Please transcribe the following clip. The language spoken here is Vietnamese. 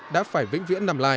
đã phải vĩnh viễn nằm lại